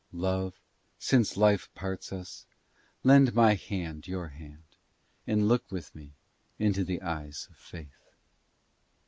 Love since Life parts us lend my hand your hand And look with me into the eyes of faith.